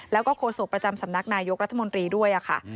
แล้วก็โฆษกประจำสำนักนายกรัฐมนตรีด้วยค่ะ